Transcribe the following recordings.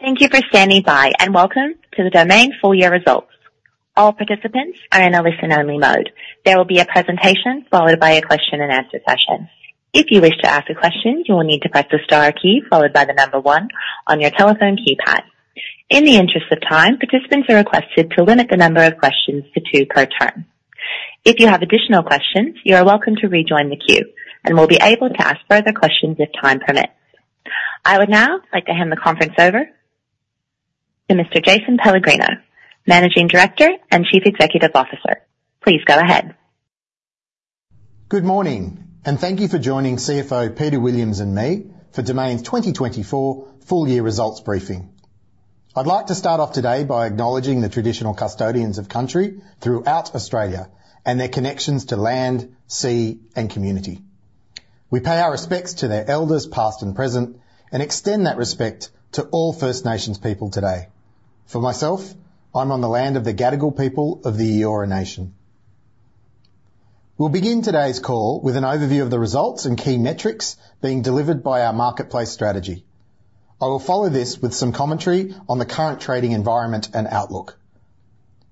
Thank you for standing by, and welcome to the Domain full year results. All participants are in a listen-only mode. There will be a presentation followed by a question-and-answer session. If you wish to ask a question, you will need to press the star key followed by the number one on your telephone keypad. In the interest of time, participants are requested to limit the number of questions to two per turn. If you have additional questions, you are welcome to rejoin the queue and will be able to ask further questions if time permits. I would now like to hand the conference over to Mr. Jason Pellegrino, Managing Director and Chief Executive Officer. Please go ahead. Good morning, and thank you for joining CFO Peter Williams and me for Domain's 2024 full year results briefing. I'd like to start off today by acknowledging the traditional custodians of country throughout Australia and their connections to land, sea, and community. We pay our respects to their elders, past and present, and extend that respect to all First Nations people today. For myself, I'm on the land of the Gadigal people of the Eora Nation. We'll begin today's call with an overview of the results and key metrics being delivered by our marketplace strategy. I will follow this with some commentary on the current trading environment and outlook.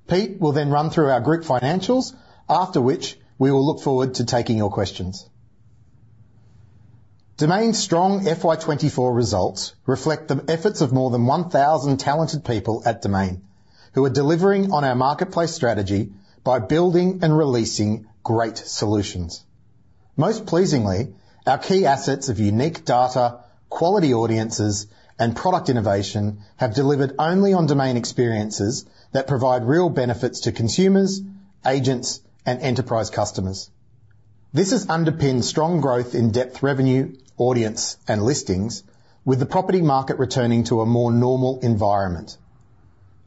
Pete will then run through our group financials, after which we will look forward to taking your questions. Domain's strong FY 2024 results reflect the efforts of more than 1,000 talented people at Domain, who are delivering on our marketplace strategy by building and releasing great solutions. Most pleasingly, our key assets of unique data, quality audiences, and product innovation have delivered only on Domain experiences that provide real benefits to consumers, agents, and enterprise customers. This has underpinned strong growth in depth revenue, audience, and listings, with the property market returning to a more normal environment.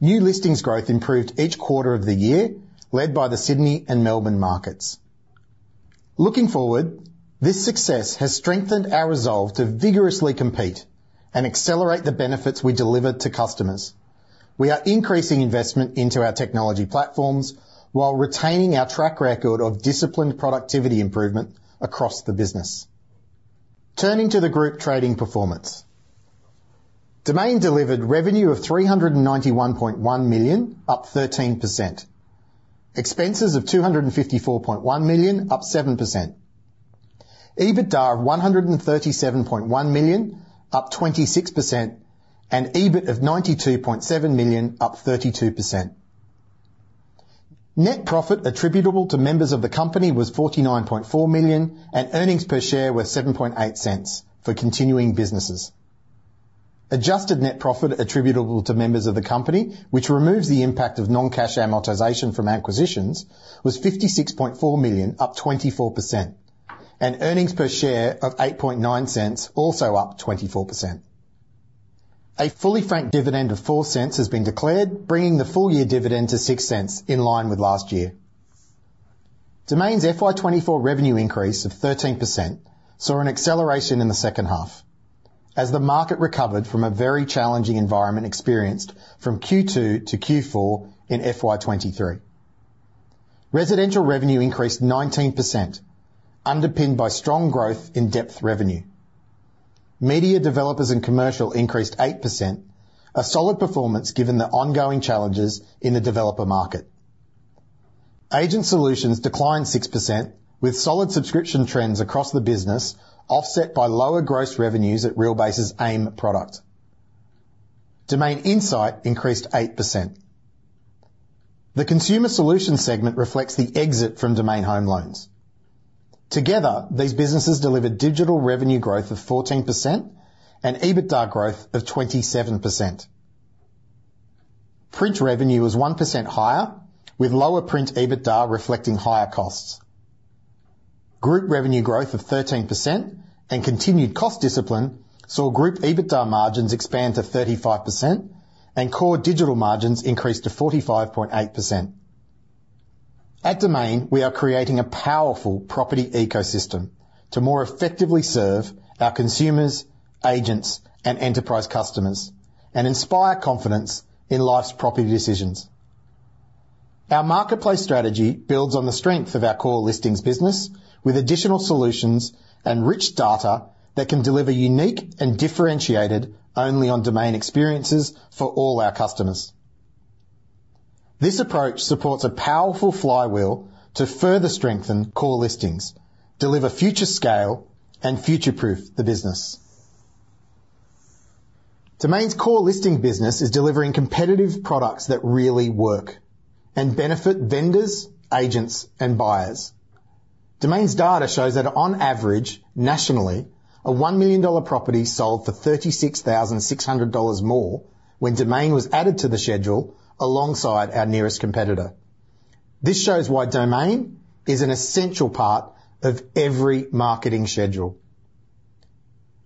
New listings growth improved each quarter of the year, led by the Sydney and Melbourne markets. Looking forward, this success has strengthened our resolve to vigorously compete and accelerate the benefits we deliver to customers. We are increasing investment into our technology platforms while retaining our track record of disciplined productivity improvement across the business. Turning to the group trading performance. Domain delivered revenue of AUD 391.1 million, up 13%. Expenses of AUD 254.1 million, up 7%. EBITDA of AUD 137.1 million, up 26%, and EBIT of AUD 92.7 million, up 32%. Net profit attributable to members of the company was 49.4 million, and earnings per share were 0.078 for continuing businesses. Adjusted net profit attributable to members of the company, which removes the impact of non-cash amortization from acquisitions, was 56.4 million, up 24%, and earnings per share of 0.089, also up 24%. A fully franked dividend of 0.04 has been declared, bringing the full-year dividend to 0.06 in line with last year. Domain's FY 2024 revenue increase of 13% saw an acceleration in the second half as the market recovered from a very challenging environment experienced from Q2 to Q4 in FY 2023. Residential revenue increased 19%, underpinned by strong growth in depth revenue. Media, Developers and Commercial increased 8%, a solid performance given the ongoing challenges in the developer market. Agent Solutions declined 6%, with solid subscription trends across the business, offset by lower gross revenues at Realbase's AIM product. Domain Insight increased 8%. The Consumer Solutions segment reflects the exit from Domain Home Loans. Together, these businesses delivered digital revenue growth of 14% and EBITDA growth of 27%. Print revenue is 1% higher, with lower print EBITDA reflecting higher costs. Group revenue growth of 13% and continued cost discipline saw group EBITDA margins expand to 35% and core digital margins increase to 45.8%. At Domain, we are creating a powerful property ecosystem to more effectively serve our consumers, agents, and enterprise customers and inspire confidence in life's property decisions. Our marketplace strategy builds on the strength of our core listings business, with additional solutions and rich data that can deliver unique and differentiated only on Domain experiences for all our customers. This approach supports a powerful flywheel to further strengthen core listings, deliver future scale, and future-proof the business. Domain's core listing business is delivering competitive products that really work and benefit vendors, agents, and buyers. Domain's data shows that on average, nationally, a 1 million dollar property sold for 36,600 dollars more when Domain was added to the schedule alongside our nearest competitor. This shows why Domain is an essential part of every marketing schedule.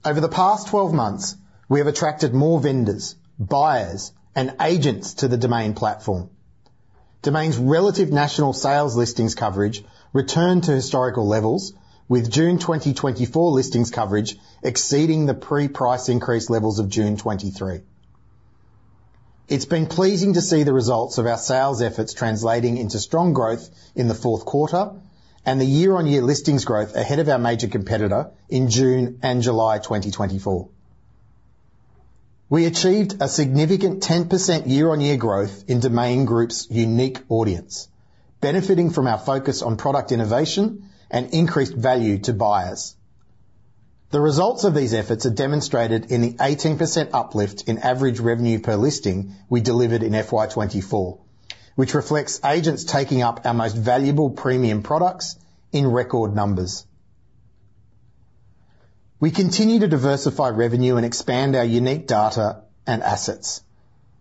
Over the past 12 months, we have attracted more vendors, buyers, and agents to the Domain platform. Domain's relative national sales listings coverage returned to historical levels, with June 2024 listings coverage exceeding the pre-price increase levels of June 2023. It's been pleasing to see the results of our sales efforts translating into strong growth in the fourth quarter, and the year-on-year listings growth ahead of our major competitor in June and July 2024. We achieved a significant 10% year-on-year growth in Domain Group's unique audience, benefiting from our focus on product innovation and increased value to buyers. The results of these efforts are demonstrated in the 18% uplift in average revenue per listing we delivered in FY 2024, which reflects agents taking up our most valuable premium products in record numbers. We continue to diversify revenue and expand our unique data and assets.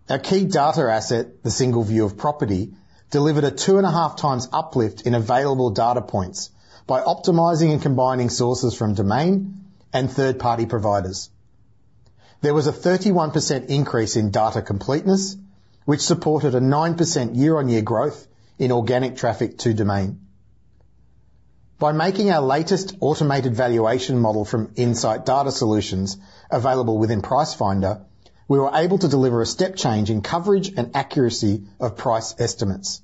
Our key data asset, the single view of property, delivered a 2.5 times uplift in available data points by optimizing and combining sources from Domain and third-party providers. There was a 31% increase in data completeness, which supported a 9% year-on-year growth in organic traffic to Domain. By making our latest automated valuation model from Insight Data Solutions available within Pricefinder, we were able to deliver a step change in coverage and accuracy of price estimates,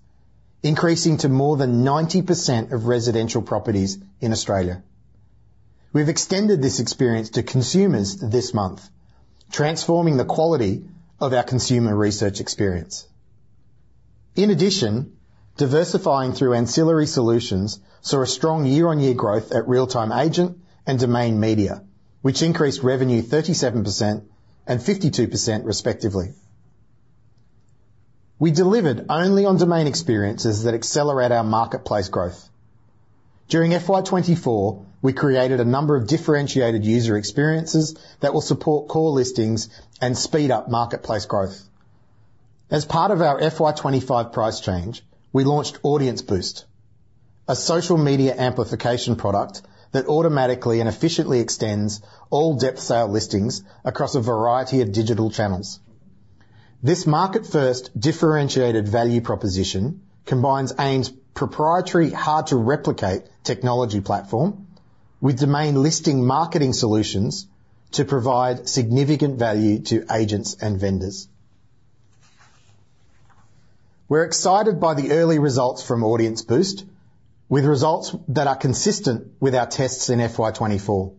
increasing to more than 90% of residential properties in Australia. We've extended this experience to consumers this month, transforming the quality of our consumer research experience. In addition, diversifying through ancillary solutions saw a strong year-on-year growth at Real Time Agent and Domain Media, which increased revenue 37% and 52%, respectively. We delivered only on Domain experiences that accelerate our marketplace growth. During FY 2024, we created a number of differentiated user experiences that will support core listings and speed up marketplace growth. As part of our FY 2025 price change, we launched Audience Boost, a social media amplification product that automatically and efficiently extends all depth sale listings across a variety of digital channels. This market-first differentiated value proposition combines AIM's proprietary hard-to-replicate technology platform with Domain listing marketing solutions to provide significant value to agents and vendors. We're excited by the early results from Audience Boost, with results that are consistent with our tests in FY 2024.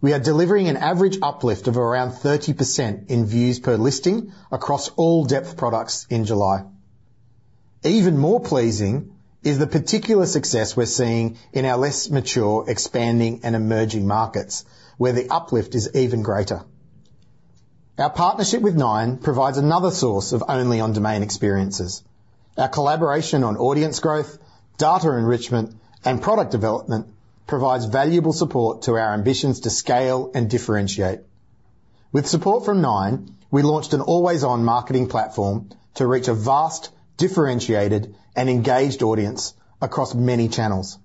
We are delivering an average uplift of around 30% in views per listing across all depth products in July. Even more pleasing is the particular success we're seeing in our less mature, expanding, and emerging markets, where the uplift is even greater. Our partnership with Nine provides another source of only-on-Domain experiences. Our collaboration on audience growth, data enrichment, and product development provides valuable support to our ambitions to scale and differentiate. With support from Nine, we launched an always-on marketing platform to reach a vast, differentiated, and engaged audience across many channels.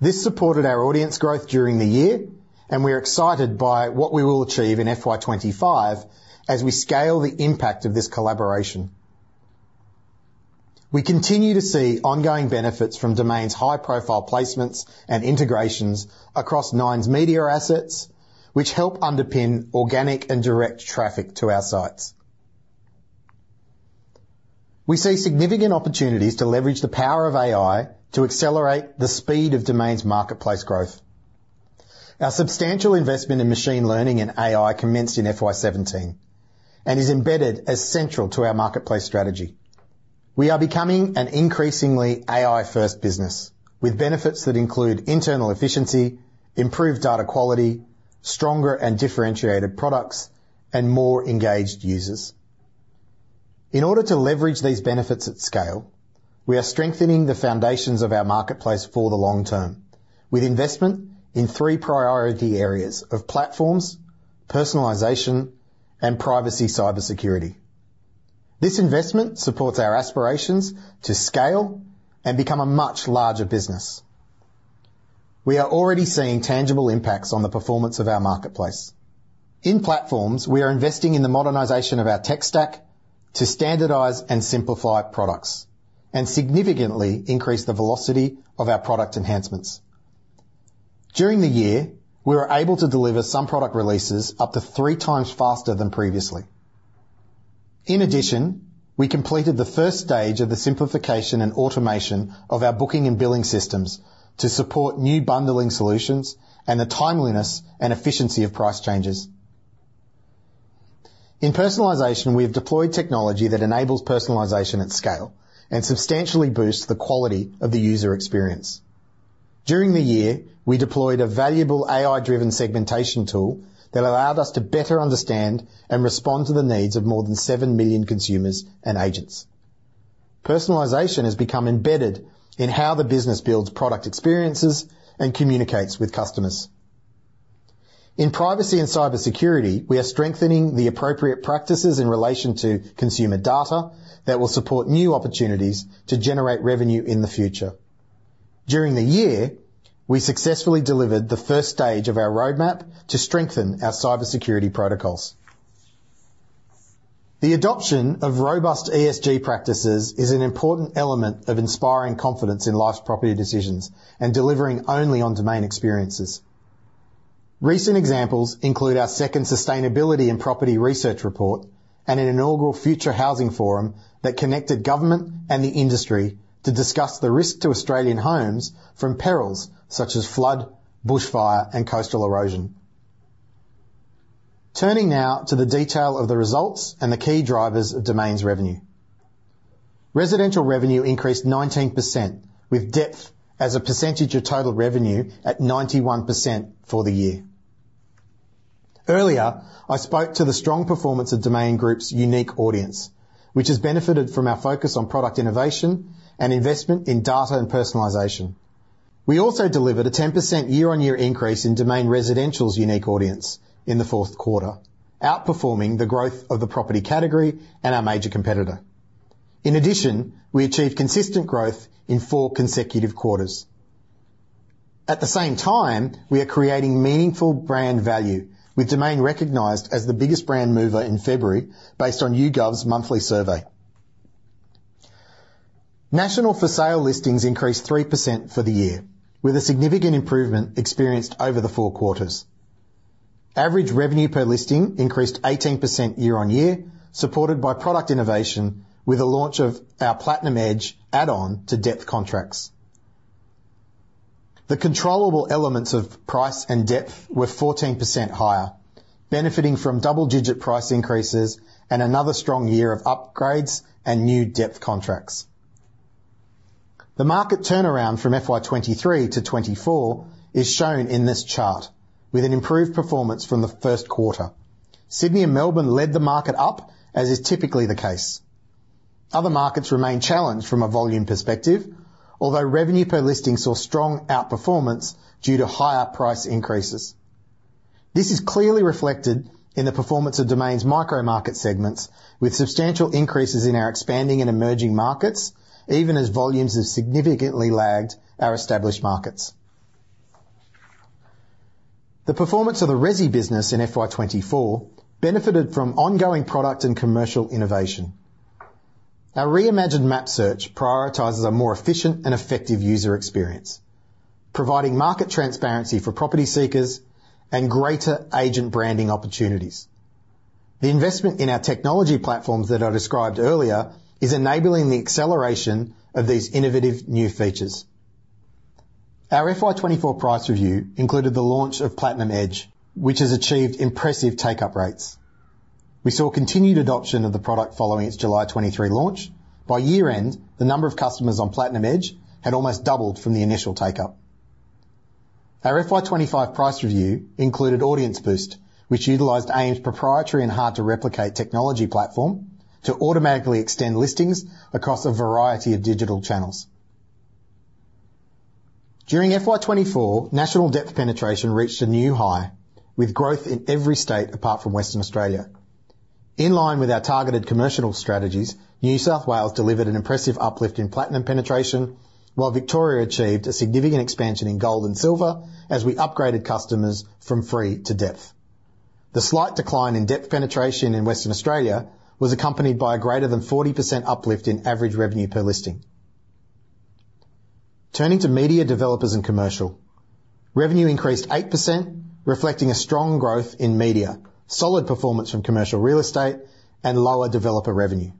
This supported our audience growth during the year, and we are excited by what we will achieve in FY 2025 as we scale the impact of this collaboration. We continue to see ongoing benefits from Domain's high-profile placements and integrations across Nine's media assets, which help underpin organic and direct traffic to our sites. We see significant opportunities to leverage the power of AI to accelerate the speed of Domain's marketplace growth. Our substantial investment in machine learning and AI commenced in FY 2017, and is embedded as central to our marketplace strategy. We are becoming an increasingly AI-first business, with benefits that include internal efficiency, improved data quality, stronger and differentiated products, and more engaged users. In order to leverage these benefits at scale, we are strengthening the foundations of our marketplace for the long term, with investment in three priority areas of platforms, personalization, and privacy cybersecurity. This investment supports our aspirations to scale and become a much larger business. We are already seeing tangible impacts on the performance of our marketplace. In platforms, we are investing in the modernization of our tech stack to standardize and simplify products, and significantly increase the velocity of our product enhancements. During the year, we were able to deliver some product releases up to 3 times faster than previously. In addition, we completed the first stage of the simplification and automation of our booking and billing systems to support new bundling solutions and the timeliness and efficiency of price changes. In personalization, we have deployed technology that enables personalization at scale and substantially boosts the quality of the user experience. During the year, we deployed a valuable AI-driven segmentation tool that allowed us to better understand and respond to the needs of more than 7 million consumers and agents. Personalization has become embedded in how the business builds product experiences and communicates with customers. In privacy and cybersecurity, we are strengthening the appropriate practices in relation to consumer data that will support new opportunities to generate revenue in the future. During the year, we successfully delivered the first stage of our roadmap to strengthen our cybersecurity protocols. The adoption of robust ESG practices is an important element of inspiring confidence in life's property decisions and delivering only on Domain experiences. Recent examples include our second Sustainability and Property Research Report and an inaugural Future Housing Forum that connected government and the industry to discuss the risk to Australian homes from perils such as flood, bushfire, and coastal erosion. Turning now to the detail of the results and the key drivers of Domain's revenue. Residential revenue increased 19%, with depth as a percentage of total revenue at 91% for the year. Earlier, I spoke to the strong performance of Domain Group's unique audience, which has benefited from our focus on product innovation and investment in data and personalization. We also delivered a 10% year-on-year increase in Domain Residential's unique audience in the fourth quarter, outperforming the growth of the property category and our major competitor. In addition, we achieved consistent growth in four consecutive quarters. At the same time, we are creating meaningful brand value, with Domain recognized as the biggest brand mover in February, based on YouGov's monthly survey. National for sale listings increased 3% for the year, with a significant improvement experienced over the four quarters. Average revenue per listing increased 18% year-on-year, supported by product innovation, with the launch of our Platinum Edge add-on to depth contracts. The controllable elements of price and depth were 14% higher, benefiting from double-digit price increases and another strong year of upgrades and new depth contracts. The market turnaround from FY 2023 to 2024 is shown in this chart, with an improved performance from the first quarter. Sydney and Melbourne led the market up, as is typically the case. Other markets remain challenged from a volume perspective, although revenue per listing saw strong outperformance due to higher price increases. This is clearly reflected in the performance of Domain's micro-market segments, with substantial increases in our expanding and emerging markets, even as volumes have significantly lagged our established markets. The performance of the resi business in FY 2024 benefited from ongoing product and commercial innovation. Our reimagined map search prioritizes a more efficient and effective user experience, providing market transparency for property seekers and greater agent branding opportunities. The investment in our technology platforms that I described earlier is enabling the acceleration of these innovative new features. Our FY 2024 price review included the launch of Platinum Edge, which has achieved impressive take-up rates. We saw continued adoption of the product following its July 2023 launch. By year-end, the number of customers on Platinum Edge had almost doubled from the initial take-up. Our FY 2025 price review included Audience Boost, which utilized AIM's proprietary and hard-to-replicate technology platform to automatically extend listings across a variety of digital channels. During FY 2024, national depth penetration reached a new high, with growth in every state apart from Western Australia. In line with our targeted commercial strategies, New South Wales delivered an impressive uplift in Platinum penetration, while Victoria achieved a significant expansion in Gold and Silver as we upgraded customers from free to depth. The slight decline in depth penetration in Western Australia was accompanied by a greater than 40% uplift in average revenue per listing. Turning to media, developers and commercial, revenue increased 8%, reflecting a strong growth in media, solid performance from Commercial Real Estate, and lower developer revenue.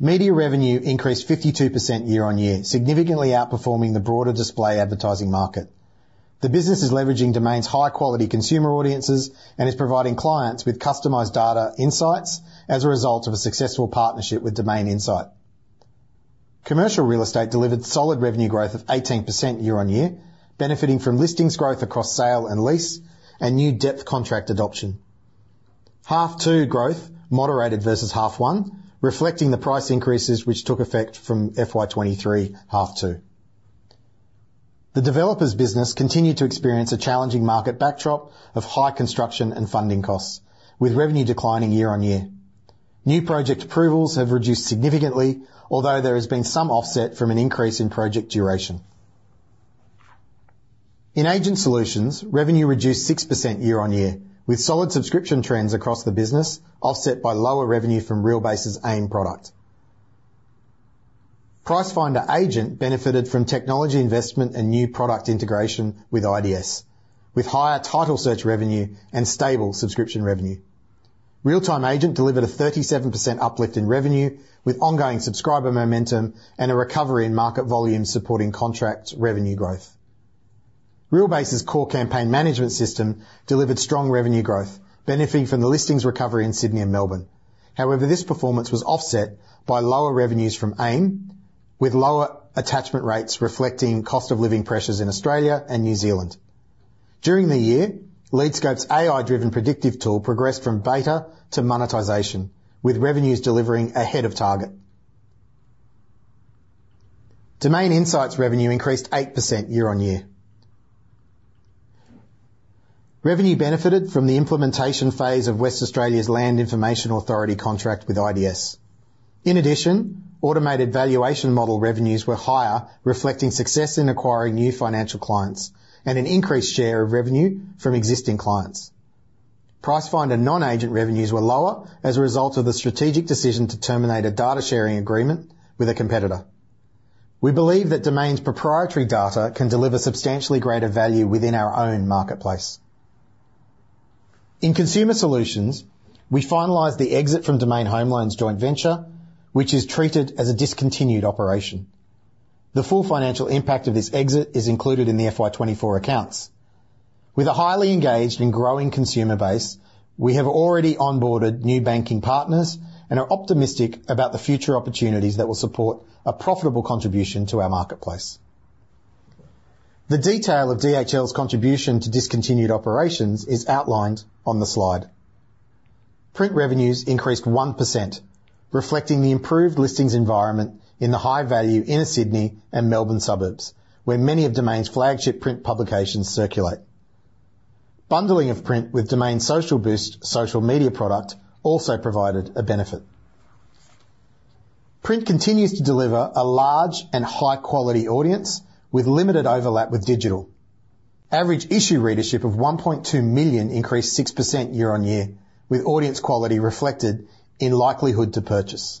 Media revenue increased 52% year-on-year, significantly outperforming the broader display advertising market. The business is leveraging Domain's high-quality consumer audiences and is providing clients with customized data insights as a result of a successful partnership with Domain Insight. Commercial Real Estate delivered solid revenue growth of 18% year-on-year, benefiting from listings growth across sale and lease and new depth contract adoption. Half two growth moderated versus half one, reflecting the price increases which took effect from FY 2023, half two. The developer's business continued to experience a challenging market backdrop of high construction and funding costs, with revenue declining year-on-year. New project approvals have reduced significantly, although there has been some offset from an increase in project duration. In Agent Solutions, revenue reduced 6% year-on-year, with solid subscription trends across the business, offset by lower revenue from Realbase's AIM product. Pricefinder Agent benefited from technology investment and new product integration with IDS, with higher title search revenue and stable subscription revenue. Real Time Agent delivered a 37% uplift in revenue, with ongoing subscriber momentum and a recovery in market volume supporting contract revenue growth. Realbase's core campaign management system delivered strong revenue growth, benefiting from the listings recovery in Sydney and Melbourne. However, this performance was offset by lower revenues from AIM, with lower attachment rates reflecting cost of living pressures in Australia and New Zealand. During the year, LeadScope's AI-driven predictive tool progressed from beta to monetization, with revenues delivering ahead of target. Domain Insight revenue increased 8% year-on-year. Revenue benefited from the implementation phase of Western Australia's Land Information Authority contract with IDS. In addition, automated valuation model revenues were higher, reflecting success in acquiring new financial clients and an increased share of revenue from existing clients. Pricefinder non-agent revenues were lower as a result of the strategic decision to terminate a data sharing agreement with a competitor. We believe that Domain's proprietary data can deliver substantially greater value within our own marketplace. In Consumer Solutions, we finalized the exit from Domain Home Loans joint venture, which is treated as a discontinued operation. The full financial impact of this exit is included in the FY 2024 accounts. With a highly engaged and growing consumer base, we have already onboarded new banking partners and are optimistic about the future opportunities that will support a profitable contribution to our marketplace. The detail of DHL's contribution to discontinued operations is outlined on the slide. Print revenues increased 1%, reflecting the improved listings environment in the high-value inner Sydney and Melbourne suburbs, where many of Domain's flagship print publications circulate. Bundling of print with Domain Social Boost social media product also provided a benefit. Print continues to deliver a large and high-quality audience with limited overlap with digital. Average issue readership of 1.2 million increased 6% year-on-year, with audience quality reflected in likelihood to purchase.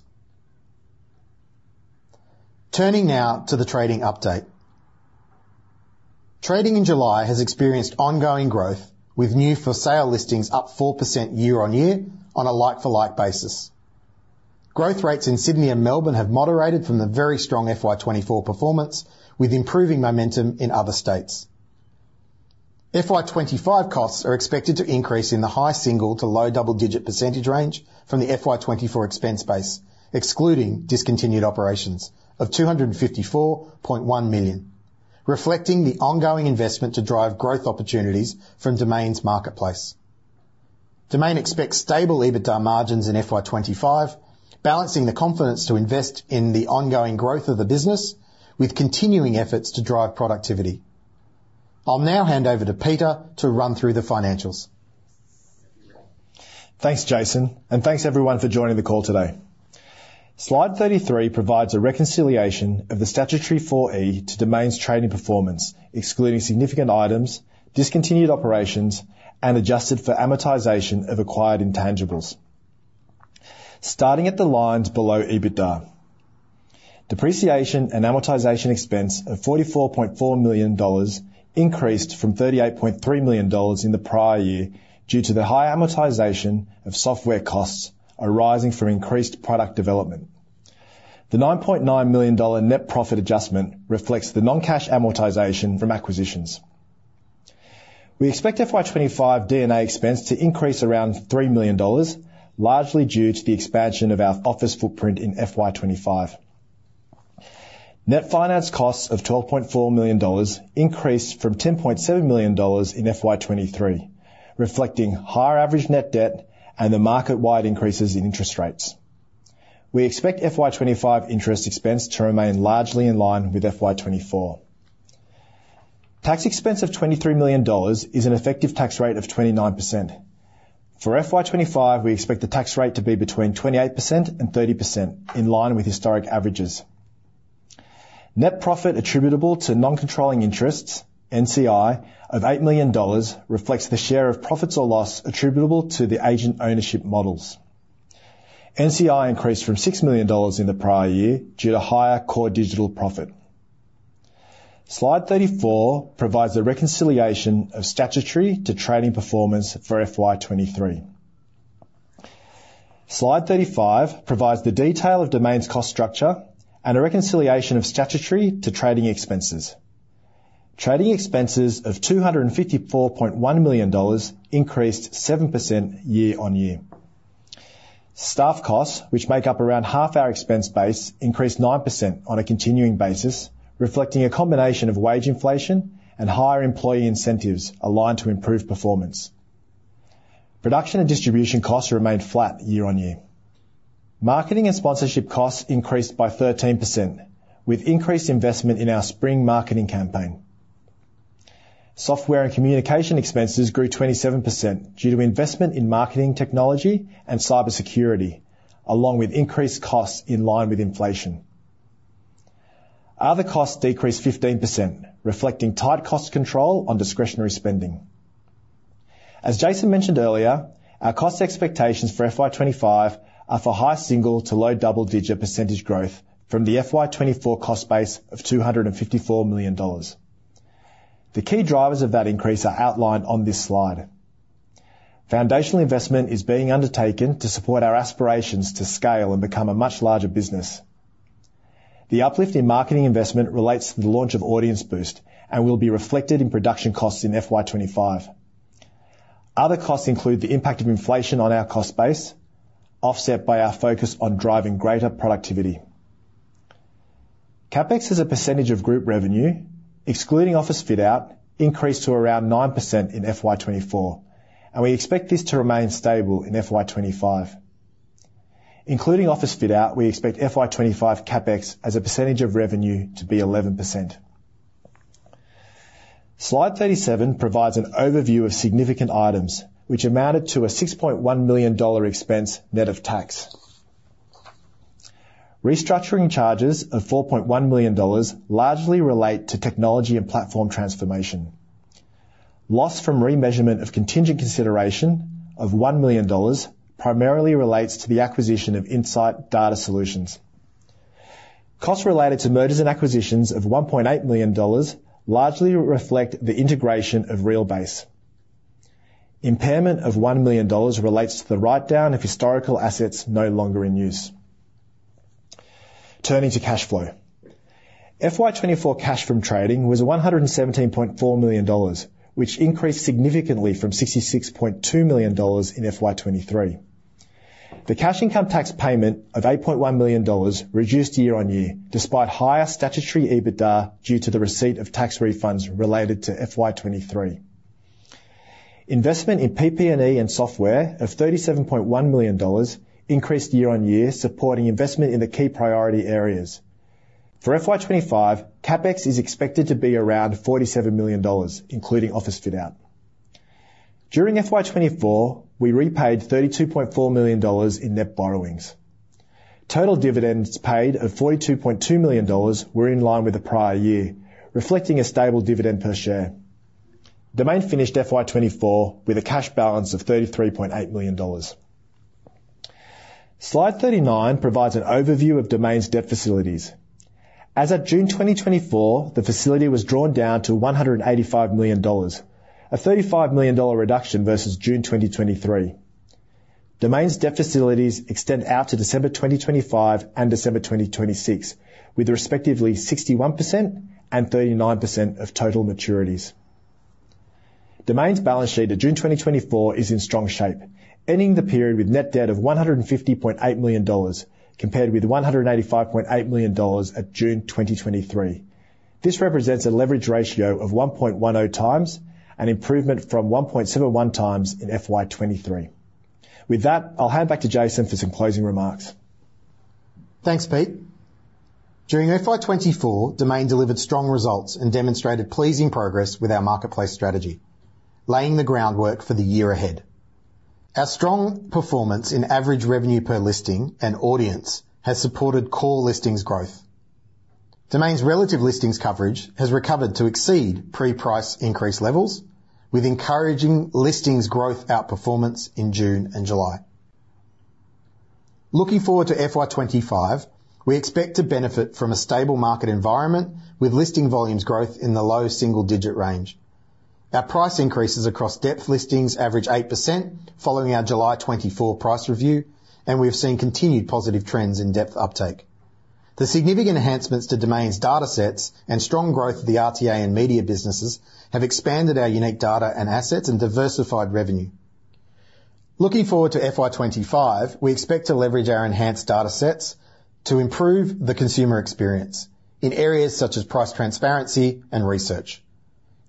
Turning now to the trading update. Trading in July has experienced ongoing growth, with new for-sale listings up 4% year-on-year on a like-for-like basis. Growth rates in Sydney and Melbourne have moderated from the very strong FY 2024 performance, with improving momentum in other states. FY 2025 costs are expected to increase in the high single- to low double-digit percentage range from the FY 2024 expense base, excluding discontinued operations of 254.1 million, reflecting the ongoing investment to drive growth opportunities from Domain's marketplace. Domain expects stable EBITDA margins in FY 2025, balancing the confidence to invest in the ongoing growth of the business with continuing efforts to drive productivity. I'll now hand over to Peter to run through the financials. Thanks, Jason, and thanks everyone for joining the call today. Slide 33 provides a reconciliation of the statutory 4E to Domain's trading performance, excluding significant items, discontinued operations, and adjusted for amortization of acquired intangibles. Starting at the lines below EBITDA. Depreciation and amortization expense of 44.4 million dollars increased from 38.3 million dollars in the prior year due to the high amortization of software costs arising from increased product development. The 9.9 million dollar net profit adjustment reflects the non-cash amortization from acquisitions. We expect FY 2025 D&A expense to increase around 3 million dollars, largely due to the expansion of our office footprint in FY 2025. Net finance costs of 12.4 million dollars increased from 10.7 million dollars in FY 2023, reflecting higher average net debt and the market-wide increases in interest rates. We expect FY 2025 interest expense to remain largely in line with FY 2024. Tax expense of 23 million dollars is an effective tax rate of 29%. For FY 2025, we expect the tax rate to be between 28% and 30%, in line with historic averages. Net profit attributable to non-controlling interests, NCI, of 8 million dollars reflects the share of profits or loss attributable to the agent ownership models. NCI increased from 6 million dollars in the prior year due to higher core digital profit. Slide 34 provides a reconciliation of statutory to trading performance for FY 23. Slide 35 provides the detail of Domain's cost structure and a reconciliation of statutory to trading expenses. Trading expenses of AUD 254.1 million increased 7% year-on-year. Staff costs, which make up around half our expense base, increased 9% on a continuing basis, reflecting a combination of wage inflation and higher employee incentives aligned to improve performance. Production and distribution costs remained flat year-on-year. Marketing and sponsorship costs increased by 13%, with increased investment in our spring marketing campaign. Software and communication expenses grew 27% due to investment in marketing technology and cybersecurity, along with increased costs in line with inflation. Other costs decreased 15%, reflecting tight cost control on discretionary spending. As Jason mentioned earlier, our cost expectations for FY 2025 are for high single- to low double-digit % growth from the FY 2024 cost base of AUD 254 million. The key drivers of that increase are outlined on this slide. Foundational investment is being undertaken to support our aspirations to scale and become a much larger business. The uplift in marketing investment relates to the launch of Audience Boost and will be reflected in production costs in FY 2025. Other costs include the impact of inflation on our cost base, offset by our focus on driving greater productivity. CapEx as a percentage of group revenue, excluding office fit-out, increased to around 9% in FY 2024, and we expect this to remain stable in FY 2025. Including office fit-out, we expect FY 2025 CapEx as a percentage of revenue to be 11%. Slide 37 provides an overview of significant items, which amounted to an 6.1 million dollar expense net of tax. Restructuring charges of 4.1 million dollars largely relate to technology and platform transformation. Loss from remeasurement of contingent consideration of 1 million dollars primarily relates to the acquisition of Insight Data Solutions. Costs related to mergers and acquisitions of 1.8 million dollars largely reflect the integration of Realbase. Impairment of 1 million dollars relates to the write-down of historical assets no longer in use. Turning to cash flow. FY 2024 cash from trading was AUD 117.4 million, which increased significantly from AUD 66.2 million in FY 2023. The cash income tax payment of AUD 8.1 million reduced year-on-year, despite higher statutory EBITDA, due to the receipt of tax refunds related to FY 2023. Investment in PP&E and software of 37.1 million dollars increased year-on-year, supporting investment in the key priority areas. For FY 2025, CapEx is expected to be around 47 million dollars, including office fit out. During FY 2024, we repaid 32.4 million dollars in net borrowings. Total dividends paid of 42.2 million dollars were in line with the prior year, reflecting a stable dividend per share. Domain finished FY 2024 with a cash balance of 33.8 million dollars. Slide 39 provides an overview of Domain's debt facilities. As of June 2024, the facility was drawn down to 185 million dollars, a 35 million dollar reduction versus June 2023. Domain's debt facilities extend out to December 2025 and December 2026, with respectively 61% and 39% of total maturities. Domain's balance sheet at June 2024 is in strong shape, ending the period with net debt of 150.8 million dollars, compared with 185.8 million dollars at June 2023. This represents a leverage ratio of 1.10x, an improvement from 1.71x in FY 2023. With that, I'll hand back to Jason for some closing remarks. Thanks, Pete. During FY 2024, Domain delivered strong results and demonstrated pleasing progress with our marketplace strategy, laying the groundwork for the year ahead. Our strong performance in average revenue per listing and audience has supported core listings growth. Domain's relative listings coverage has recovered to exceed pre-price increase levels, with encouraging listings growth outperformance in June and July. Looking forward to FY 2025, we expect to benefit from a stable market environment with listing volumes growth in the low single-digit range. Our price increases across depth listings average 8%, following our July 2024 price review, and we've seen continued positive trends in depth uptake. The significant enhancements to Domain's datasets and strong growth of the RTA and media businesses have expanded our unique data and assets and diversified revenue. Looking forward to FY 2025, we expect to leverage our enhanced datasets to improve the consumer experience in areas such as price transparency and research,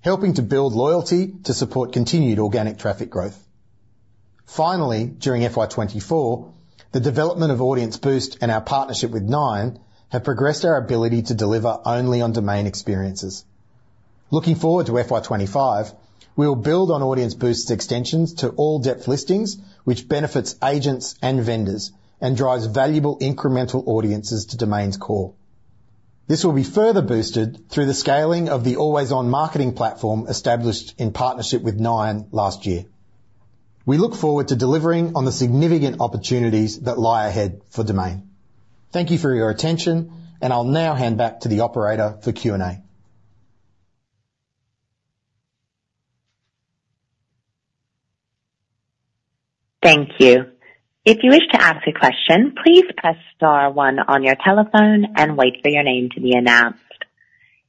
helping to build loyalty to support continued organic traffic growth. Finally, during FY 2024, the development of Audience Boost and our partnership with Nine have progressed our ability to deliver only on Domain experiences. Looking forward to FY 2025, we will build on Audience Boost's extensions to all depth listings, which benefits agents and vendors and drives valuable incremental audiences to Domain's core. This will be further boosted through the scaling of the Always On marketing platform, established in partnership with Nine last year. We look forward to delivering on the significant opportunities that lie ahead for Domain. Thank you for your attention, and I'll now hand back to the operator for Q&A. Thank you. If you wish to ask a question, please press star one on your telephone and wait for your name to be announced.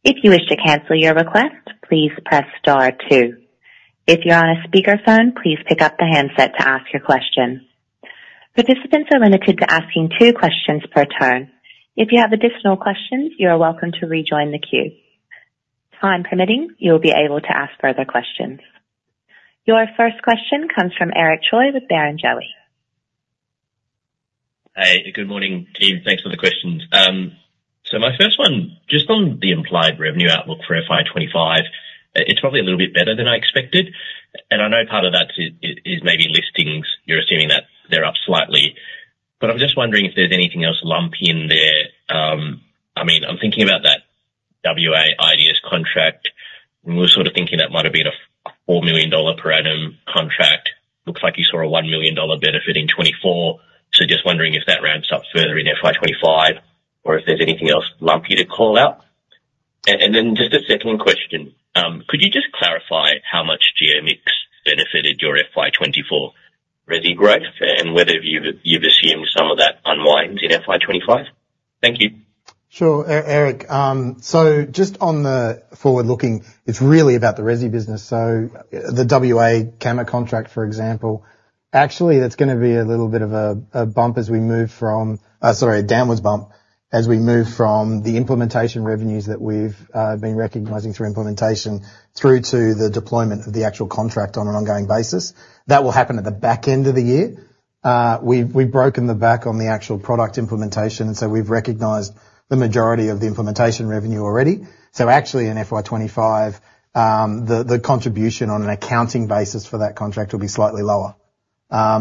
If you wish to cancel your request, please press star two. If you're on a speakerphone, please pick up the handset to ask your question. Participants are limited to asking two questions per turn. If you have additional questions, you are welcome to rejoin the queue. Time permitting, you'll be able to ask further questions. Your first question comes from Eric Choi with Barrenjoey. Hey, good morning, team. Thanks for the questions. So my first one, just on the implied revenue outlook for FY 2025, it's probably a little bit better than I expected, and I know part of that is maybe listings. You're assuming that they're up slightly. But I'm just wondering if there's anything else lumpy in there. I mean, I'm thinking about that WA IDS contract. We were sort of thinking that might have been a 4 million dollar per annum contract. Looks like you saw a 1 million dollar benefit in 2024. So just wondering if that ramps up further in FY 2025, or if there's anything else lumpy to call out? And then just a second question. Could you just clarify how much geo mix benefited your FY 2024 resi growth, and whether you've assumed some of that unwinds in FY 2025? Thank you. Sure, Eric. So just on the forward-looking, it's really about the resi business, so the WA Landgate contract, for example, actually, that's gonna be a little bit of a bump as we move from the implementation revenues that we've been recognizing through implementation through to the deployment of the actual contract on an ongoing basis. That will happen at the back end of the year. We've broken the back on the actual product implementation, so we've recognized the majority of the implementation revenue already. So actually, in FY 2025, the contribution on an accounting basis for that contract will be slightly lower.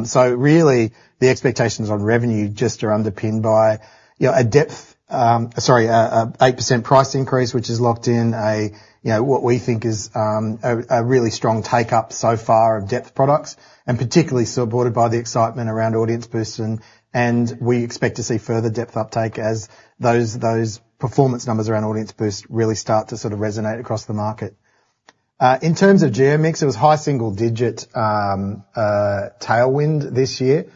So really, the expectations on revenue just are underpinned by, you know, a depth, sorry, a 8% price increase, which is locked in a, you know, what we think is, a really strong take up so far of depth products, and particularly supported by the excitement around Audience Boost. And we expect to see further depth uptake as those performance numbers around Audience Boost really start to sort of resonate across the market. In terms of geo mix, it was high single-digit tailwind this year.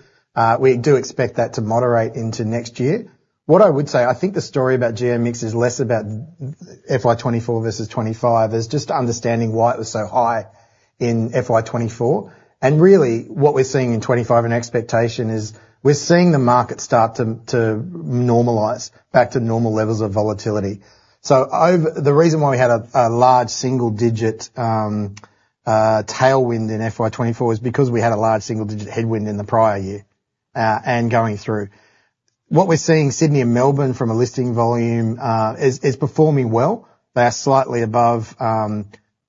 We do expect that to moderate into next year. What I would say, I think the story about geo mix is less about FY 2024 versus 2025, is just understanding why it was so high in FY 2024. And really, what we're seeing in 2025, in expectation is, we're seeing the market start to normalize back to normal levels of volatility. So the reason why we had a large single-digit tailwind in FY 2024 is because we had a large single-digit headwind in the prior year, and going through. What we're seeing Sydney and Melbourne from a listing volume is performing well. They are slightly above the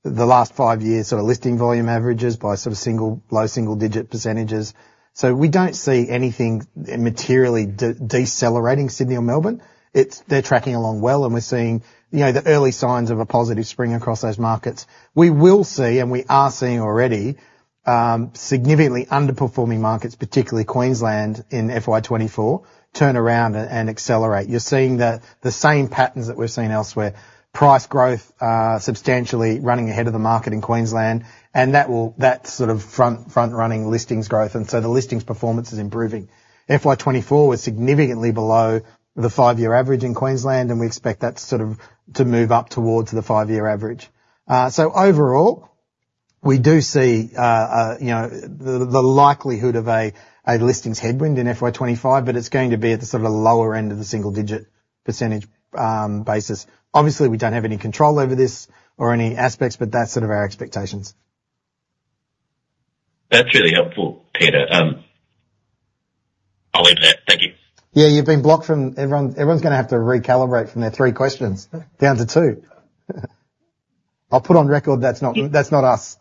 last 5 years, sort of listing volume averages by sort of single, low single-digit percentages. So we don't see anything materially decelerating Sydney or Melbourne. They're tracking along well, and we're seeing, you know, the early signs of a positive spring across those markets. We will see, and we are seeing already, significantly underperforming markets, particularly Queensland, in FY 2024, turn around and accelerate. You're seeing the same patterns that we've seen elsewhere. Price growth substantially running ahead of the market in Queensland, and that will, that's sort of front-running listings growth, and so the listings performance is improving. FY 2024 was significantly below the five-year average in Queensland, and we expect that to sort of move up towards the five-year average. So overall, we do see, you know, the likelihood of a listings headwind in FY 2025, but it's going to be at the sort of lower end of the single-digit percentage basis. Obviously, we don't have any control over this or any aspects, but that's sort of our expectations. That's really helpful, Peter. I'll leave it at that. Thank you. Yeah, you've been blocked from everyone, everyone's gonna have to recalibrate from their three questions down to two. I'll put on record, that's not, that's not us.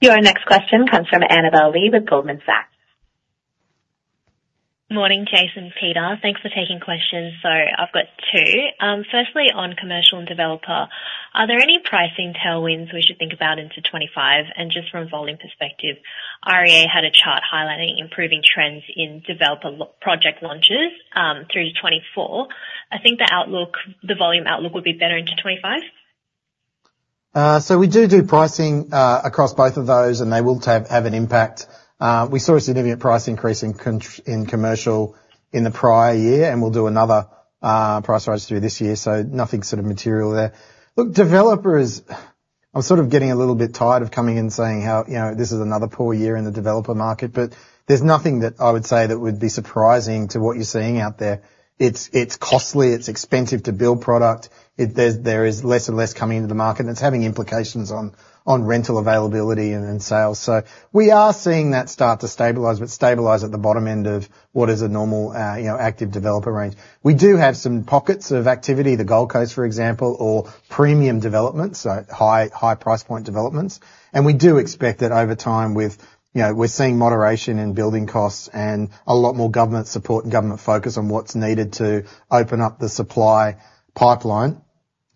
Your next question comes from Annabelle Lee with Goldman Sachs. Morning, Jason and Peter. Thanks for taking questions. I've got two. Firstly, on commercial and developer, are there any pricing tailwinds we should think about into 2025? And just from a volume perspective, REA had a chart highlighting improving trends in developer project launches through 2024. I think the outlook, the volume outlook would be better into 2025? So we do do pricing across both of those, and they will have an impact. We saw a significant price increase in commercial in the prior year, and we'll do another price rise through this year, so nothing sort of material there. Look, developers, I'm sort of getting a little bit tired of coming in and saying how, you know, this is another poor year in the developer market, but there's nothing that I would say that would be surprising to what you're seeing out there. It's costly, it's expensive to build product. There is less and less coming into the market, and it's having implications on rental availability and sales. So we are seeing that start to stabilize, but stabilize at the bottom end of what is a normal, you know, active developer range. We do have some pockets of activity, the Gold Coast, for example, or premium developments, so high, high price point developments. We do expect that over time with, you know, we're seeing moderation in building costs and a lot more government support and government focus on what's needed to open up the supply pipeline,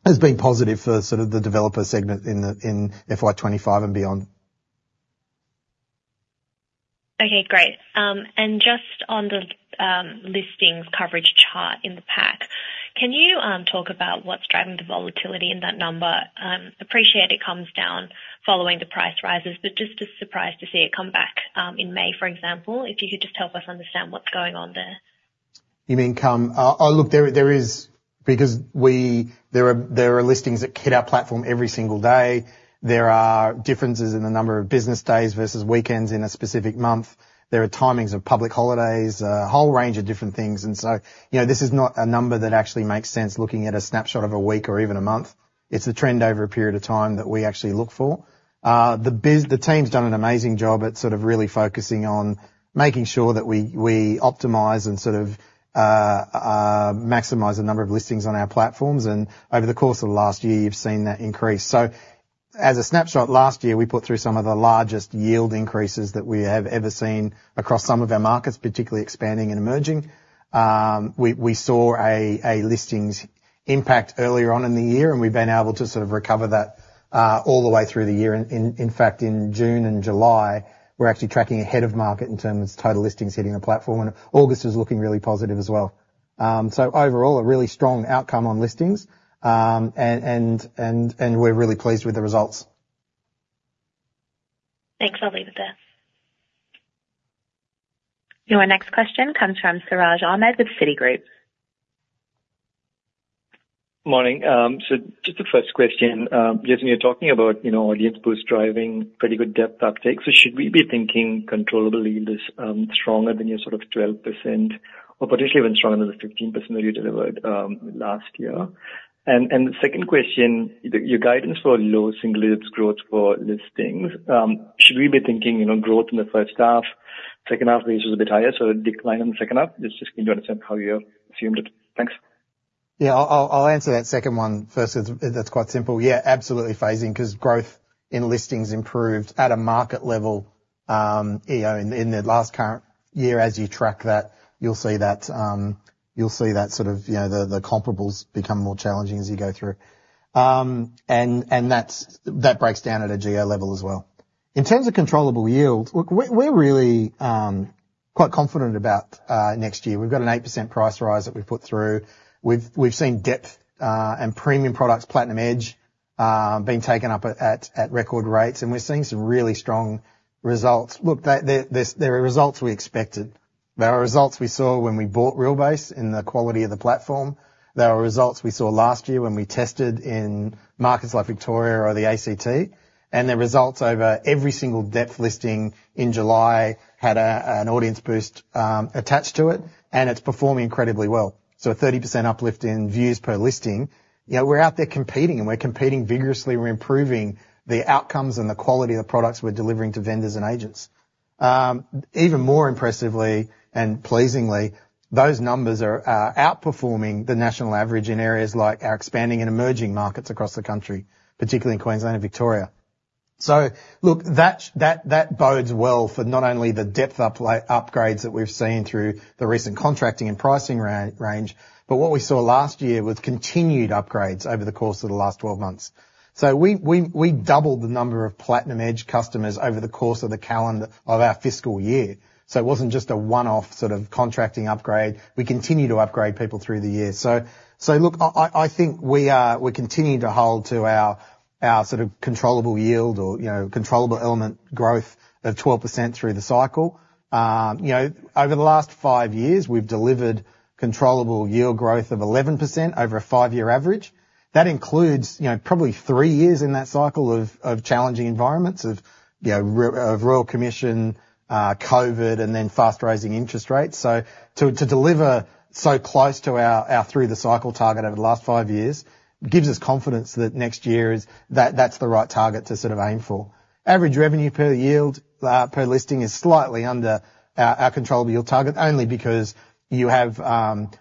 has been positive for sort of the developer segment in the, in FY 2025 and beyond. Okay, great. Just on the listings coverage chart in the pack, can you talk about what's driving the volatility in that number? Appreciate it comes down following the price rises, but just as surprised to see it come back in May, for example. If you could just help us understand what's going on there. Look, there is, because there are listings that hit our platform every single day. There are differences in the number of business days versus weekends in a specific month. There are timings of public holidays, a whole range of different things. And so, you know, this is not a number that actually makes sense, looking at a snapshot of a week or even a month. It's the trend over a period of time that we actually look for. The team's done an amazing job at sort of really focusing on making sure that we optimize and sort of maximize the number of listings on our platforms, and over the course of the last year, you've seen that increase. So as a snapshot, last year, we put through some of the largest yield increases that we have ever seen across some of our markets, particularly expanding and emerging. We saw a listings impact earlier on in the year, and we've been able to sort of recover that all the way through the year. In fact, in June and July, we're actually tracking ahead of market in terms of total listings hitting the platform, and August is looking really positive as well. So overall, a really strong outcome on listings, and we're really pleased with the results. Thanks. I'll leave it there. Your next question comes from Siraj Ahmed with Citigroup. Morning. So just the first question. Jason, you're talking about, you know, Audience Boost driving pretty good depth uptake. So should we be thinking controllably this, stronger than your sort of 12% or potentially even stronger than the 15% that you delivered, last year? And the second question, your guidance for low single digits growth for listings, should we be thinking, you know, growth in the first half, second half of the year is a bit higher, so a decline in the second half? Just need to understand how you assumed it. Thanks. Yeah, I'll answer that second one first, as that's quite simple. Yeah, absolutely phasing, 'cause growth in listings improved at a market level, you know, in the last current year. As you track that, you'll see that, you'll see that sort of, you know, the comparables become more challenging as you go through. And that's that breaks down at a geo level as well. In terms of controllable yield, look, we're really quite confident about next year. We've got an 8% price rise that we've put through. We've seen depth and premium products, Platinum Edge, being taken up at record rates, and we're seeing some really strong results. Look, they're results we expected. They are results we saw when we bought Realbase and the quality of the platform. They are results we saw last year when we tested in markets like Victoria or the ACT, and they're results over every single depth listing in July, had an audience boost attached to it, and it's performing incredibly well. So a 30% uplift in views per listing. You know, we're out there competing, and we're competing vigorously. We're improving the outcomes and the quality of the products we're delivering to vendors and agents. Even more impressively and pleasingly, those numbers are outperforming the national average in areas like our expanding and emerging markets across the country, particularly in Queensland and Victoria. So look, that bodes well for not only the depth upgrades that we've seen through the recent contracting and pricing range, but what we saw last year was continued upgrades over the course of the last 12 months. So we doubled the number of Platinum Edge customers over the course of the calendar of our fiscal year. So it wasn't just a one-off sort of contracting upgrade. We continue to upgrade people through the year. So look, I think we are, we're continuing to hold to our sort of controllable yield or, you know, controllable element growth of 12% through the cycle. You know, over the last five years, we've delivered controllable yield growth of 11% over a five-year average. That includes, you know, probably three years in that cycle of challenging environments, of, you know, of Royal Commission, COVID, and then fast-rising interest rates. So to deliver so close to our through the cycle target over the last five years gives us confidence that next year is that's the right target to sort of aim for. Average revenue per yield per listing is slightly under our controllable yield target, only because you have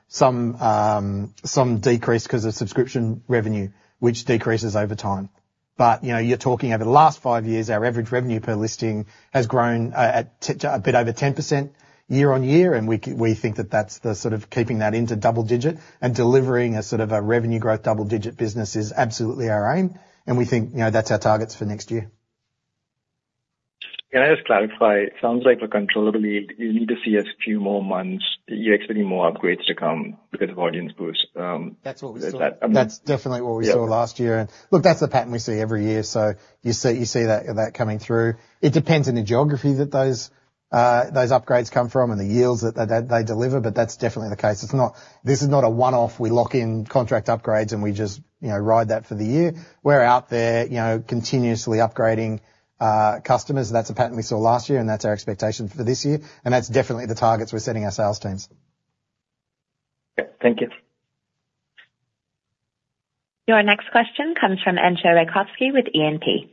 some some decrease 'cause of subscription revenue, which decreases over time. But you know, you're talking over the last five years, our average revenue per listing has grown at a bit over 10% year-on-year, and we think that that's the sort of keeping that into double-digit and delivering a sort of a revenue growth double-digit business is absolutely our aim, and we think you know, that's our targets for next year. Can I just clarify? It sounds like for controllable, you need to see a few more months. You're expecting more upgrades to come because of Audience Boost. That's what we saw. That, um That's definitely what we saw last year. Yeah. Look, that's the pattern we see every year. So you see, you see that coming through. It depends on the geography that those upgrades come from and the yields that they deliver, but that's definitely the case. It's not. This is not a one-off, we lock in contract upgrades, and we just, you know, ride that for the year. We're out there, you know, continuously upgrading customers. That's a pattern we saw last year, and that's our expectation for this year, and that's definitely the targets we're setting our sales teams. Okay. Thank you. Your next question comes from Entcho Raykovski with E&P. Hi, Enzo.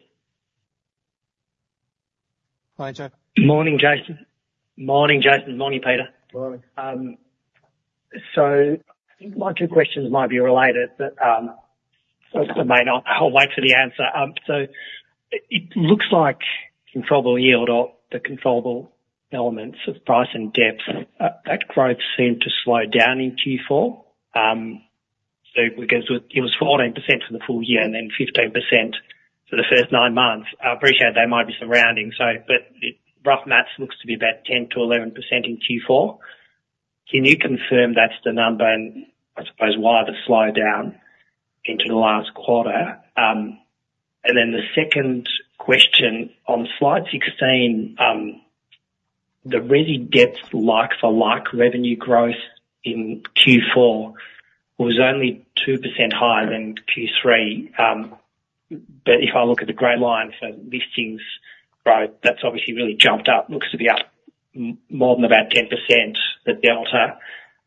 Morning, Jason. Morning, Jason. Morning, Peter. Morning. So, I think my two questions might be related, but, first I may not, I'll wait for the answer. So, it looks like controllable yield or the controllable elements of price and depth, that growth seemed to slow down in Q4. So, because it was 14% for the full year and then 15% for the first nine months. I appreciate there might be some rounding, so but it, rough math looks to be about 10%-11% in Q4. Can you confirm that's the number, and I suppose why the slowdown into the last quarter? And then the second question: on slide 16, the resi depth like-for-like revenue growth in Q4 was only 2% higher than Q3. But if I look at the gray line, so listings growth, that's obviously really jumped up. Looks to be up more than about 10%, the delta.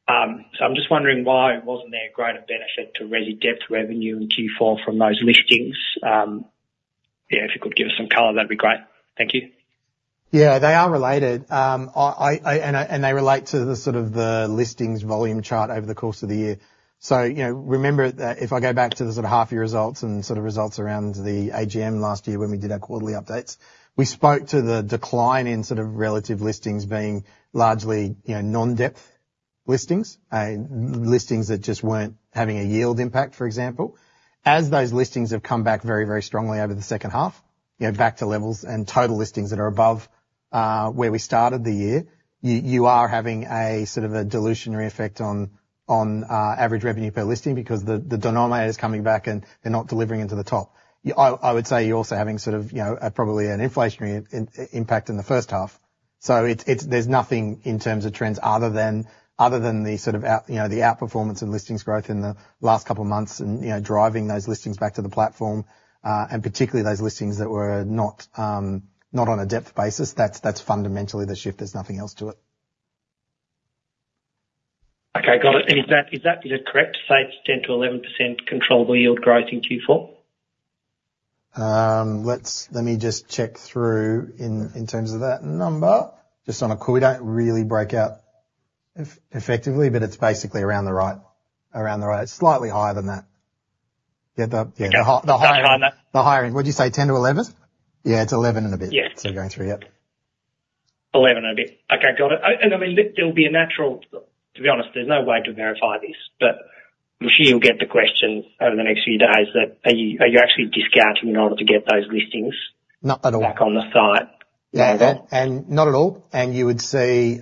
I'm just wondering, why wasn't there a greater benefit to resi depth revenue in Q4 from those listings? Yeah, if you could give us some color, that'd be great. Thank you. Yeah, they are related. And they relate to the sort of the listings volume chart over the course of the year. So, you know, remember that if I go back to the sort of half-year results and sort of results around the AGM last year, when we did our quarterly updates, we spoke to the decline in sort of relative listings being largely, you know, non-depth listings, listings that just weren't having a yield impact, for example. As those listings have come back very, very strongly over the second half, you know, back to levels and total listings that are above where we started the year, you are having a sort of a dilutionary effect on average revenue per listing because the denominator is coming back, and they're not delivering into the top. I would say you're also having sort of, you know, a probably an inflationary impact in the first half. So it's, it's, there's nothing in terms of trends other than, other than the sort of out, you know, the outperformance and listings growth in the last couple months and, you know, driving those listings back to the platform, and particularly those listings that were not, not on a depth basis. That's, that's fundamentally the shift. There's nothing else to it. Okay, got it. And is that, is that correct to say it's 10%-11% controllable yield growth in Q4? Let's let me just check through in terms of that number, just on a call. We don't really break out effectively, but it's basically around the right slightly higher than that. Yeah, the higher Slightly higher than that. The higher end. What'd you say? 10 to 11? Yeah, it's 11 and a bit. Yeah. Going through, yep. 11 and a bit. Okay, got it. And I mean, there'll be a natural to be honest, there's no way to verify this, but I'm sure you'll get the question over the next few days that, are you, are you actually discounting in order to get those listings Not at all. back on the site? Yeah. And not at all. And you would see,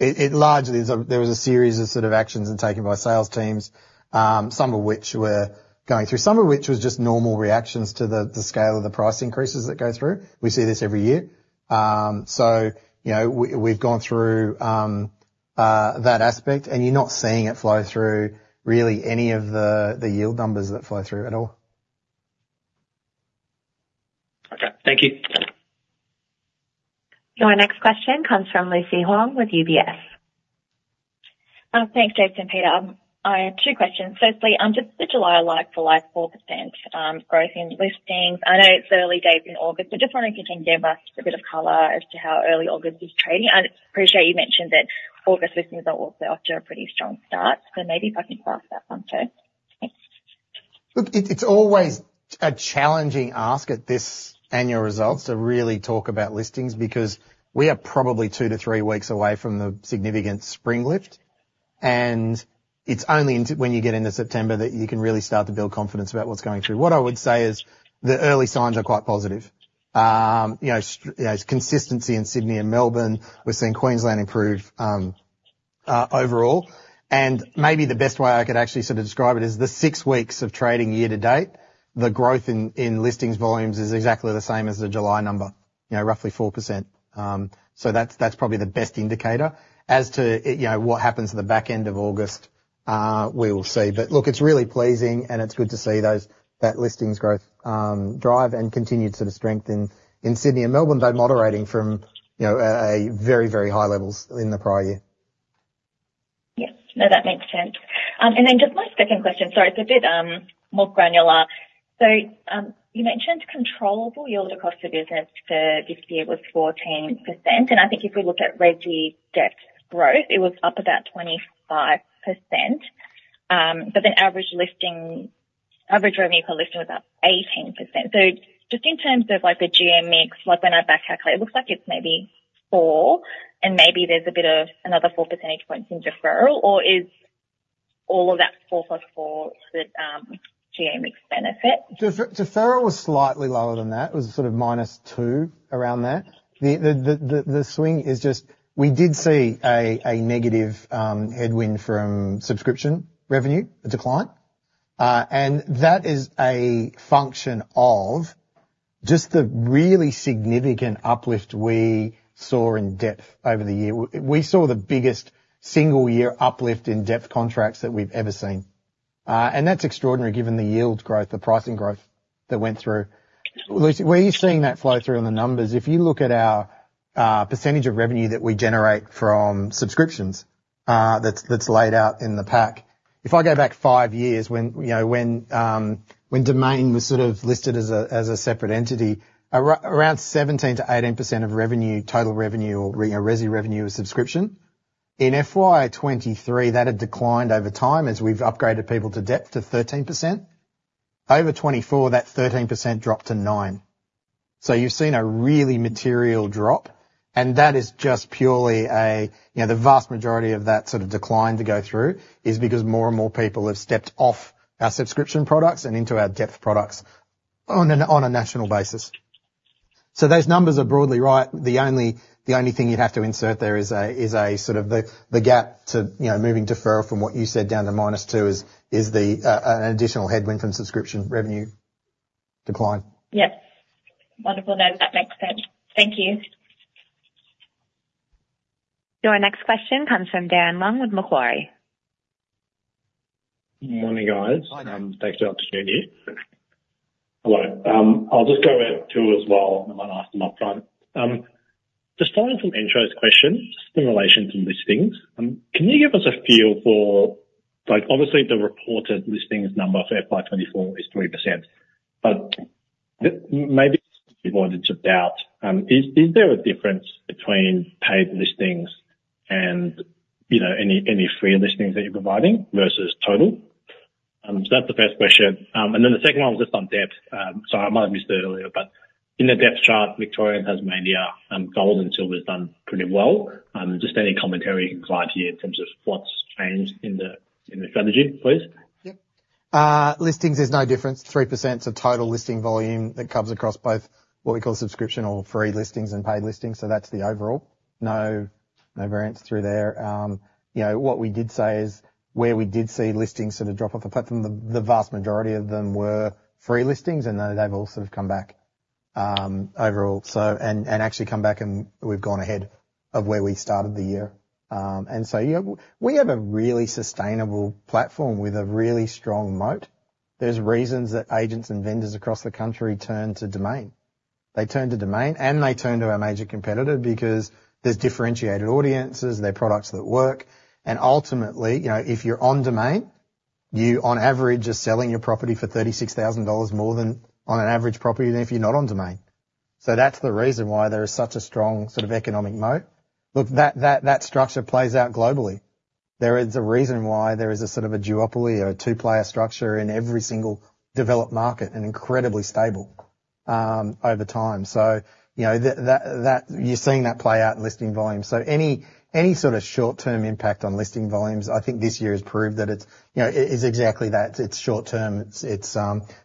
it largely is, there was a series of sort of actions then taken by sales teams, some of which were going through, some of which was just normal reactions to the, the scale of the price increases that go through. We see this every year. So, you know, we've gone through that aspect, and you're not seeing it flow through really any of the, the yield numbers that flow through at all. Okay, thank you. Your next question comes from Lucy Huang with UBS. Thanks, Jason and Peter. I have two questions. Firstly, on just the July, like-for-like, 4% growth in listings. I know it's early days in August, but just wondering if you can give us a bit of color as to how early August is trading? I'd appreciate you mentioning that August listings are also off to a pretty strong start. So maybe if I can ask that one too. Thanks. Look, it's, it's always a challenging ask at this annual results to really talk about listings, because we are probably two to three weeks away from the significant spring lift. And it's only when you get into September, that you can really start to build confidence about what's going through. What I would say is, the early signs are quite positive. You know, you know, consistency in Sydney and Melbourne. We're seeing Queensland improve, overall. And maybe the best way I could actually sort of describe it is, the six weeks of trading year to date, the growth in listings volumes is exactly the same as the July number, you know, roughly 4%. So that's, that's probably the best indicator. As to, you know, what happens at the back end of August, we will see. But look, it's really pleasing, and it's good to see that listings growth drive and continued sort of strength in Sydney and Melbourne, though moderating from, you know, a very, very high levels in the prior year. Yes. No, that makes sense. And then just my second question, sorry, it's a bit more granular. So, you mentioned controllable yield across the business for this year was 14%, and I think if we look at resi depth growth, it was up about 25%. But then average listing, average revenue per listing was about 18%. So just in terms of, like, the GM mix, like, when I back calculate, it looks like it's maybe 4, and maybe there's a bit of another 4 percentage points in deferral, or is all of that 4+4 the GM mix benefit? Deferral was slightly lower than that. It was sort of -2, around there. The swing is just we did see a negative headwind from subscription revenue, a decline. And that is a function of just the really significant uplift we saw in depth over the year. We saw the biggest single year uplift in depth contracts that we've ever seen. And that's extraordinary, given the yield growth, the pricing growth that went through. Lucy, where you're seeing that flow through in the numbers, if you look at our percentage of revenue that we generate from subscriptions, that's laid out in the pack. If I go back five years when, you know, when Domain was sort of listed as a, as a separate entity, around 17%-18% of revenue, total revenue or, you know, resi revenue, was subscription. In FY 2023, that had declined over time as we've upgraded people to depth to 13%. Over 2024, that 13% dropped to 9%. So you've seen a really material drop, and that is just purely a, you know, the vast majority of that sort of decline to go through, is because more and more people have stepped off our subscription products and into our depth products on a, on a national basis. So those numbers are broadly right. The only thing you'd have to insert there is a sort of the gap to, you know, moving deferral from what you said, down to -2, is an additional headwind from subscription revenue decline. Yep. Wonderful. No, that makes sense. Thank you. Your next question comes from Dan Leung with Macquarie. Morning, guys. Hi, Dan. Thanks for the opportunity. Hello. I'll just go at two as well, and then I'll ask them upfront. Just following from Andrew's question, just in relation to listings, can you give us a feel for, like, obviously the reported listings number for FY 2024 is 3%, but maybe to avoid any doubt. Is there a difference between paid listings and, you know, any free listings that you're providing versus total? So that's the first question. And then the second one was just on depth. So I might have missed it earlier, but in the depth chart, Victoria and Tasmania, Gold and Silver has done pretty well. Just any commentary you can provide here in terms of what's changed in the strategy, please? Yep. Listings, there's no difference. 3%'s a total listing volume that comes across both what we call subscription or free listings and paid listings, so that's the overall. No, no variance through there. You know, what we did say is, where we did see listings sort of drop off the platform, the vast majority of them were free listings, and though they've all sort of come back, overall, so... And actually come back, and we've gone ahead of where we started the year. And so, you know, we have a really sustainable platform with a really strong moat. There's reasons that agents and vendors across the country turn to Domain they turn to Domain, and they turn to our major competitor, because there's differentiated audiences, and they're products that work. Ultimately, you know, if you're on Domain, you on average are selling your property for 36,000 dollars more than on an average property than if you're not on Domain. So that's the reason why there is such a strong sort of economic moat. Look, that structure plays out globally. There is a reason why there is a sort of a duopoly or a two-player structure in every single developed market, and incredibly stable over time. So you know, that you're seeing that play out in listing volumes. So any sort of short-term impact on listing volumes, I think this year has proved that it's, you know, it is exactly that. It's short term. It's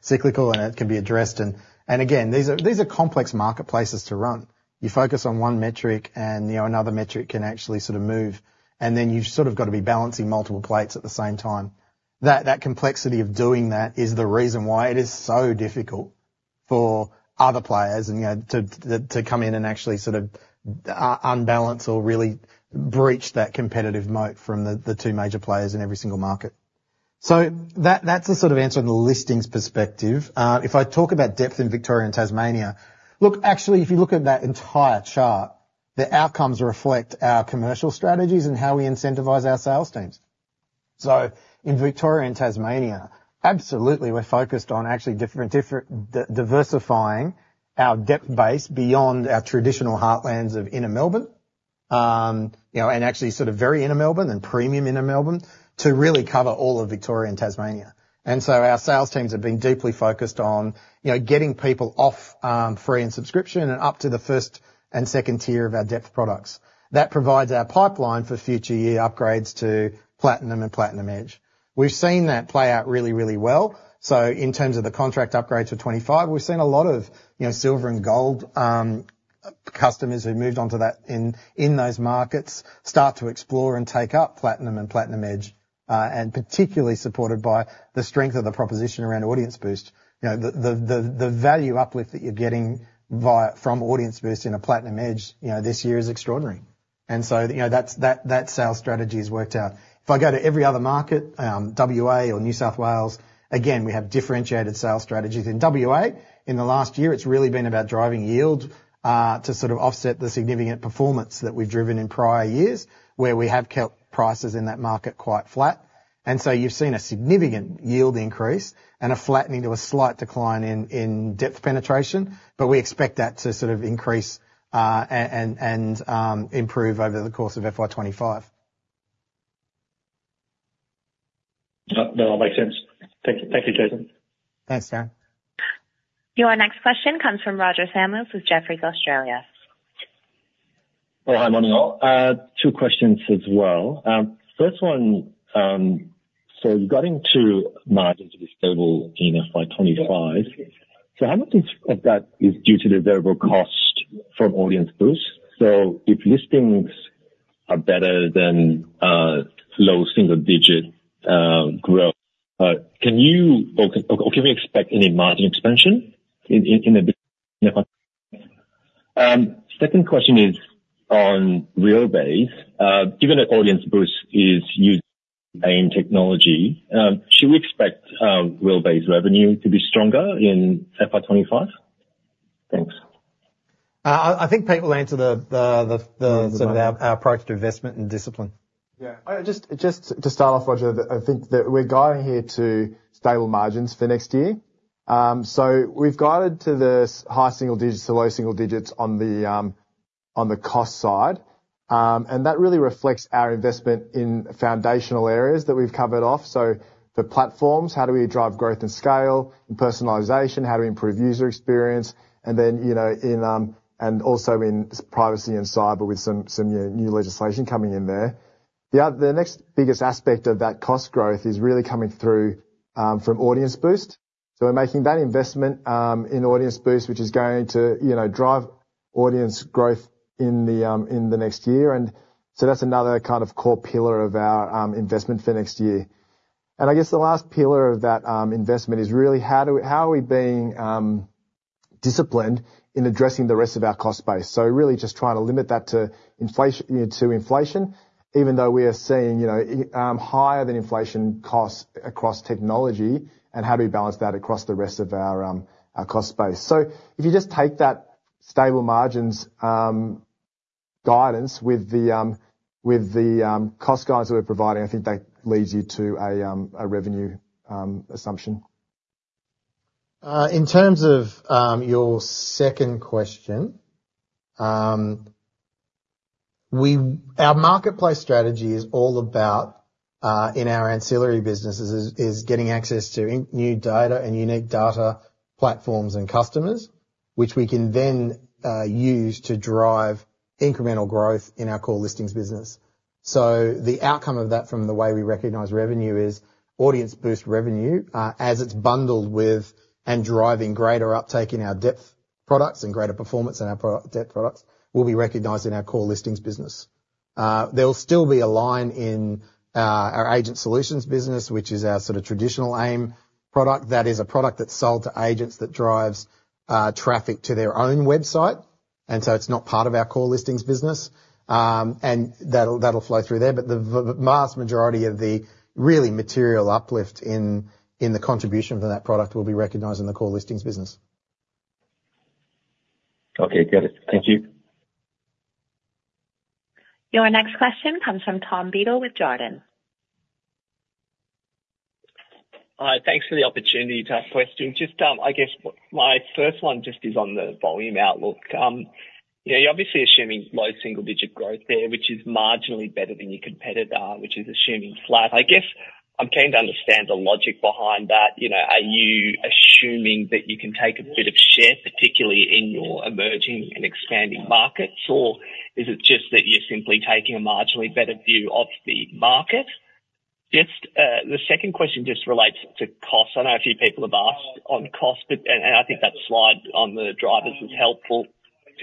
cyclical, and it can be addressed. And again, these are complex marketplaces to run. You focus on one metric, and, you know, another metric can actually sort of move, and then you've sort of got to be balancing multiple plates at the same time. That complexity of doing that is the reason why it is so difficult for other players, and, you know, to come in and actually sort of unbalance or really breach that competitive moat from the two major players in every single market. So that's the sort of answer on the listings perspective. If I talk about depth in Victoria and Tasmania, look, actually, if you look at that entire chart, the outcomes reflect our commercial strategies and how we incentivize our sales teams. So in Victoria and Tasmania, absolutely, we're focused on actually different, diversifying our depth base beyond our traditional heartlands of inner Melbourne. You know, and actually sort of very inner Melbourne and premium inner Melbourne, to really cover all of Victoria and Tasmania. And so our sales teams have been deeply focused on, you know, getting people off, free and subscription, and up to the first and second tier of our depth products. That provides our pipeline for future year upgrades to Platinum and Platinum Edge. We've seen that play out really, really well. So in terms of the contract upgrades for 2025, we've seen a lot of, you know, Silver and Gold, customers who've moved on to that in, in those markets, start to explore and take up Platinum and Platinum Edge, and particularly supported by the strength of the proposition around Audience Boost. You know, the value uplift that you're getting via, from Audience Boost in a Platinum Edge, you know, this year is extraordinary. And so, you know, that's sales strategy has worked out. If I go to every other market, WA or New South Wales, again, we have differentiated sales strategies. In WA, in the last year, it's really been about driving yield, to sort of offset the significant performance that we've driven in prior years, where we have kept prices in that market quite flat. And so you've seen a significant yield increase and a flattening to a slight decline in depth penetration, but we expect that to sort of increase, and improve over the course of FY 2025. No, it makes sense. Thank you, thank you, Jason. Thanks, Dan. Your next question comes from Roger Samways with Jefferies Australia. Well, hi, morning, all. Two questions as well. First one, so you're getting to margins to be stable in FY 2025. So how much of, of that is due to the variable cost from Audience Boost? So if listings are better than, low single digit, growth, can you or, or can we expect any margin expansion in, in, in the near future? Second question is on Realbase. Given that Audience Boost is used in technology, should we expect, Realbase's revenue to be stronger in FY 2025? Thanks. I think Pete will answer the Yeah. sort of our approach to investment and discipline. Yeah. Just to start off, Roger, I think that we're going here to stable margins for next year. So we've guided to the high single digits to low single digits on the cost side. And that really reflects our investment in foundational areas that we've covered off. So the platforms, how do we drive growth and scale? And personalization, how do we improve user experience? And then, you know, and also in privacy and cyber, with some new legislation coming in there. The other, the next biggest aspect of that cost growth is really coming through from Audience Boost. So we're making that investment in Audience Boost, which is going to, you know, drive audience growth in the next year. And so that's another kind of core pillar of our investment for next year. And I guess the last pillar of that investment is really how are we being disciplined in addressing the rest of our cost base? So really just trying to limit that to inflation, you know, to inflation, even though we are seeing, you know, higher than inflation costs across technology, and how do we balance that across the rest of our our cost base? So if you just take that stable margins guidance with the with the cost guidance that we're providing, I think that leads you to a a revenue assumption. In terms of your second question, our marketplace strategy is all about, in our ancillary businesses, getting access to new data and unique data platforms and customers, which we can then use to drive incremental growth in our core listings business. So the outcome of that from the way we recognize revenue is, Audience Boost revenue, as it's bundled with and driving greater uptake in our depth products and greater performance in our depth products, will be recognized in our core listings business. There'll still be a line in our Agent Solutions business, which is our sort of traditional AIM product. That is, a product that's sold to agents that drives traffic to their own website. And so it's not part of our core listings business, and that'll flow through there. But the vast majority of the really material uplift in the contribution from that product will be recognized in the core listings business. Okay, got it. Thank you. Your next question comes from Tom Beadle with Jarden. Hi, thanks for the opportunity to ask questions. Just, I guess, my first one just is on the volume outlook. Yeah, you're obviously assuming low single digit growth there, which is marginally better than your competitor, which is assuming flat. I guess, I'm keen to understand the logic behind that. You know, are you assuming that you can take a bit of share, particularly in your emerging and expanding markets? Or is it just that you're simply taking a marginally better view of the market? Just, the second question just relates to costs. I know a few people have asked on costs, but, and, and I think that slide on the drivers was helpful.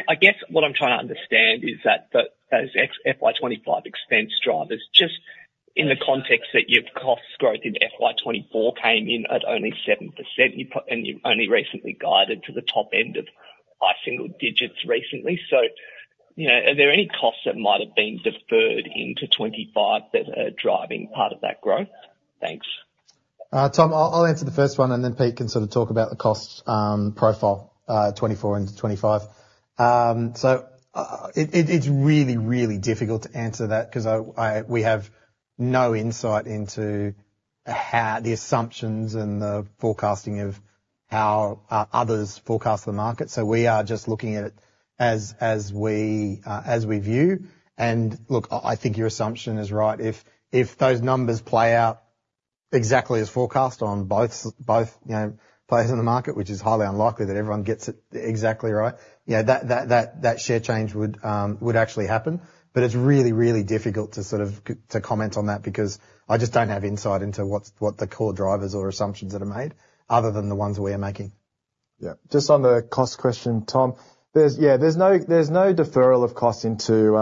I guess what I'm trying to understand is that those ex-FY 2025 expense drivers, just in the context that your cost growth in FY 2024 came in at only 7%, and you've only recently guided to the top end of high single digits recently. So, you know, are there any costs that might have been deferred into 2025 that are driving part of that growth? Thanks. Tom, I'll answer the first one, and then Pete can sort of talk about the cost profile, 2024 into 2025. So, it's really, really difficult to answer that because we have no insight into how the assumptions and the forecasting of how others forecast the market. So we are just looking at it as we view. And look, I think your assumption is right. If those numbers play out exactly as forecast on both, you know, players in the market, which is highly unlikely that everyone gets it exactly right, you know, that share change would actually happen. But it's really, really difficult to sort of to comment on that, because I just don't have insight into what's what the core drivers or assumptions that are made, other than the ones we are making. Yeah, just on the cost question, Tom. There's no deferral of costs into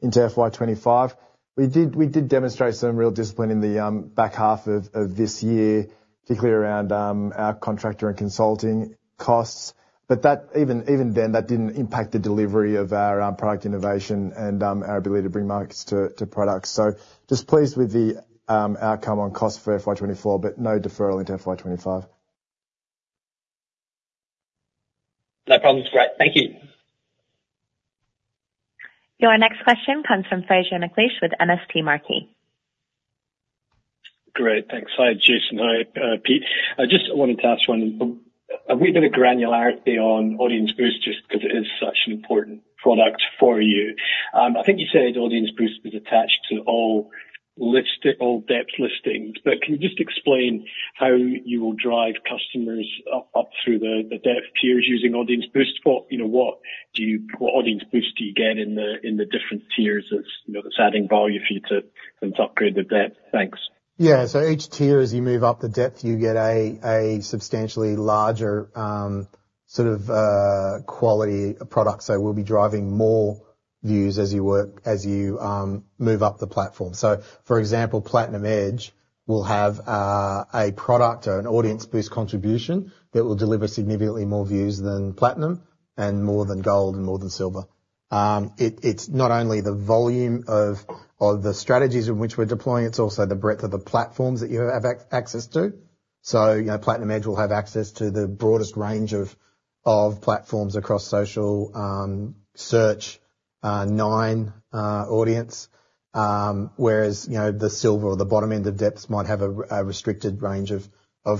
FY 2025. We did demonstrate some real discipline in the back half of this year, particularly around our contractor and consulting costs. But even then, that didn't impact the delivery of our product innovation and our ability to bring markets to products. So just pleased with the outcome on cost for FY 2024, but no deferral into FY 2025. No problem. Great. Thank you. Your next question comes from Fraser McLeish with MST Marquee. Great, thanks. Hi, Jason, hi, Pete. I just wanted to ask one, a wee bit of granularity on Audience Boost, just because it is such an important product for you. I think you said Audience Boost was attached to all depth listings, but can you just explain how you will drive customers up through the depth tiers using Audience Boost? What, you know, what Audience Boost do you get in the different tiers that's, you know, that's adding value for you to, and to upgrade the depth? Thanks. Yeah. So each tier, as you move up the depth, you get a substantially larger sort of quality product. So we'll be driving more views as you work, as you move up the platform. So for example, Platinum Edge will have a product or an Audience Boost contribution that will deliver significantly more views than Platinum and more than Gold and more than Silver. It's not only the volume of the strategies in which we're deploying, it's also the breadth of the platforms that you have access to. So, you know, Platinum Edge will have access to the broadest range of platforms across social, search, Nine audience. Whereas, you know, the Silver or the bottom end of depths might have a restricted range of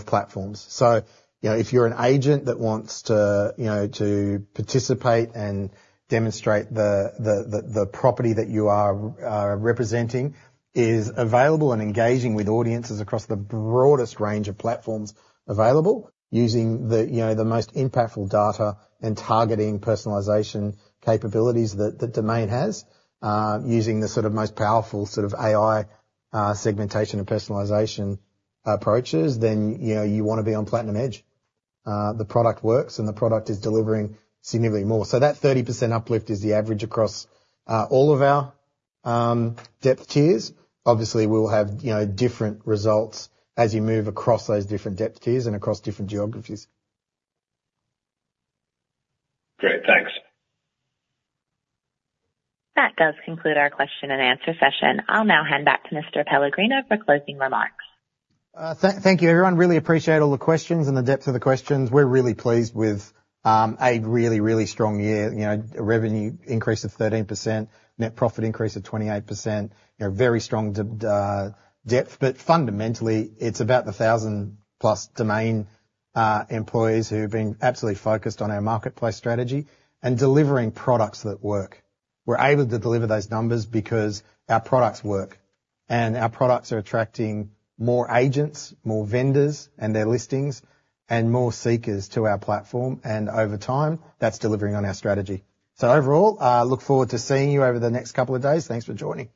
platforms. So, you know, if you're an agent that wants to, you know, to participate and demonstrate the property that you are representing is available and engaging with audiences across the broadest range of platforms available, using the, you know, the most impactful data and targeting personalization capabilities that Domain has, using the sort of most powerful sort of AI segmentation and personalization approaches, then, you know, you wanna be on Platinum Edge. The product works, and the product is delivering significantly more. So that 30% uplift is the average across all of our depth tiers. Obviously, we'll have, you know, different results as you move across those different depth tiers and across different geographies. Great, thanks. That does conclude our question and answer session. I'll now hand back to Mr. Pellegrino for closing remarks. Thank you, everyone. Really appreciate all the questions and the depth of the questions. We're really pleased with a really, really strong year. You know, revenue increase of 13%, net profit increase of 28%, you know, very strong depth. Fundamentally, it's about the 1,000+ Domain employees who have been absolutely focused on our marketplace strategy and delivering products that work. We're able to deliver those numbers because our products work, and our products are attracting more agents, more vendors and their listings, and more seekers to our platform. Over time, that's delivering on our strategy. Overall, look forward to seeing you over the next couple of days. Thanks for joining.